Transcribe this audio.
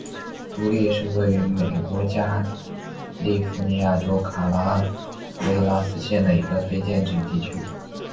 独立是位于美国加利福尼亚州卡拉韦拉斯县的一个非建制地区。